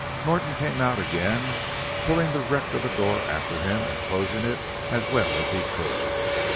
Norton came out again, pulling the wreck of the door after him and closing it as well as he could.